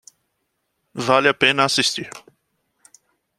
Vale a pena assistir